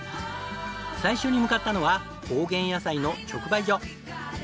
最初に向かったのは高原野菜の直売所。